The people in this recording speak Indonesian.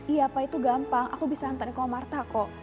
iya pak itu gampang aku bisa antarin ke omarta kok